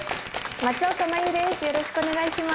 松岡茉優です。